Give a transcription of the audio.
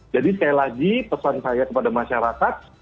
jadi sekali lagi pesan saya kepada masyarakat